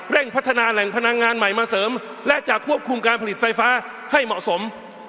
พัฒนาแหล่งพลังงานใหม่มาเสริมและจะควบคุมการผลิตไฟฟ้าให้เหมาะสม